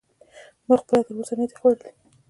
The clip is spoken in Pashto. ما خپله تر اوسه نه دی خوړلی.